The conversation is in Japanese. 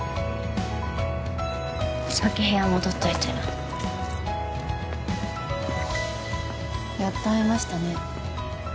先部屋戻っといてやっと会えましたね